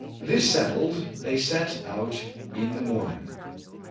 This settled, they set out in the morning.